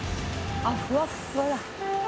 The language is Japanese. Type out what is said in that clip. あっふわっふわだ。